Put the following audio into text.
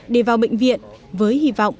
để vào bệnh viện với hy vọng